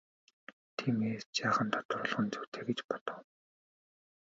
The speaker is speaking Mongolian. Тиймээс жаахан тодруулах нь зүйтэй гэж бодов.